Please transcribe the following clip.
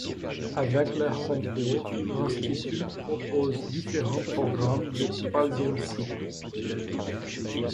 Avec leur concours, l'Institut propose différents programmes de troisième cycle.